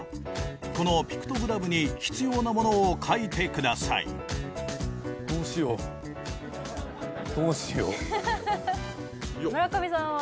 このピクトグラムに必要なものを描いてください村上さんは？